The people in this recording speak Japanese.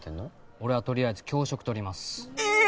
俺はとりあえず教職取りますええ！